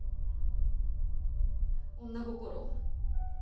女心？